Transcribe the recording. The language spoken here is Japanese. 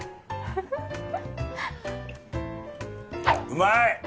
うまーい！！